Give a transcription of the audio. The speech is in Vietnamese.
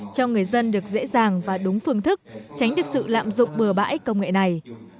cho người dân được dễ dàng và đúng phương thức tránh được sự lạm dụng bừa bãi công nghệ này